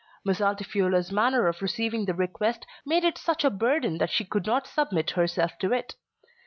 Miss Altifiorla's manner of receiving the request made it such a burden that she could not submit herself to it.